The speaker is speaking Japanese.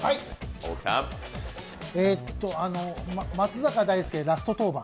松坂大輔ラスト登板？